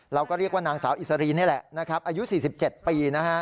เราก็เรียกว่านางสาวอิสรีนี่แหละอายุ๔๗ปี